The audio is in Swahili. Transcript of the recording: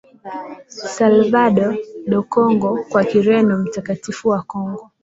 Salvador do Congo kwa Kireno Mtakatifu wa Kongo